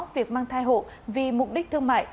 việc mang thai hộ vì mục đích thương mại